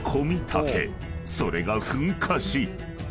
［それが噴火し］